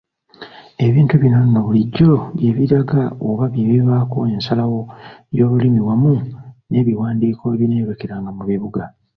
Ebintu bino nno bulijjo bye biraga oba bye bivaako ensalawo y'olulimi wamu n'ebiwandiiko ebineeyolekeranga mu bibuga.